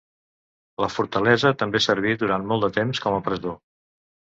La fortalesa també serví durant molt de temps com a presó.